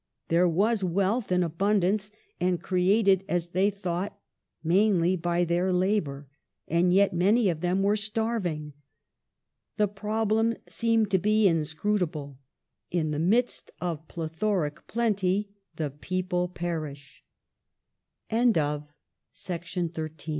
There was wealth in abundance, and created, as they thought, mainly by their labour, and yet many of them were starving. The problem seemed to them inscrutable. " In the midst of plethoric plenty, the people perish." But this w